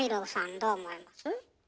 どう思います？